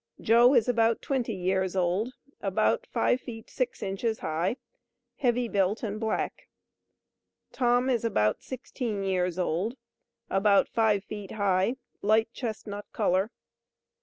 JOE is about 20 years old, about five feet six inches high, heavy built and black. TOM is about 16 years old, about five feet high, light chestnut color.